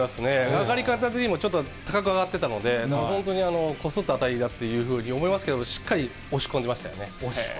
曲がり方的にも高く上がってたので、本当にこすった当たりだというふうに思いますけれども、しっかり押し込んでましたね。